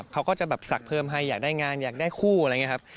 เขาก็จะแบบศักดิ์เพิ่มให้อยากได้งานอยากได้คู่อะไรอย่างนี้ครับ